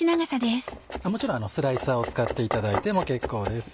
もちろんスライサーを使っていただいても結構です。